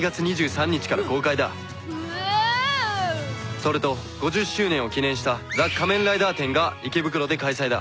それと５０周年を記念した「ＴＨＥ仮面ライダー展」が池袋で開催だ。